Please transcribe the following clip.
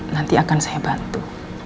nanti akan saya bantu